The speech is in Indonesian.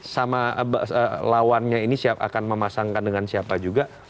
sama lawannya ini siapa akan memasangkan dengan siapa juga